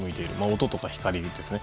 音とか光ですね。